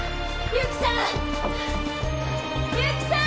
由紀さん？